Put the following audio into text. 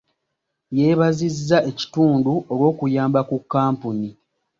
Yeebazizza ekitundu olw'okuyamba ku kkampuni.